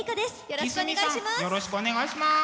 よろしくお願いします。